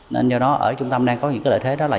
nên do đó ở trung tâm đang có những cái lợi thế đó là